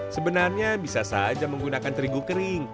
sebenarnya bisa saja menggunakan terigu kering